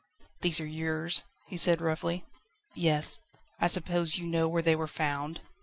"These are yours?" he said roughly. "Yes." "I suppose you know where they were found?"